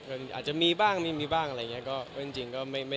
อาจจะมีบ้างไม่มีบ้างอะไรอย่างนี้คือเป็นจริงก็ไม่ได้